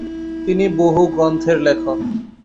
তিনি বহু গ্রন্থের লেখক।